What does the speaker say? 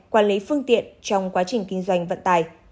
quản lý phương tiện trong quá trình kinh doanh vận tải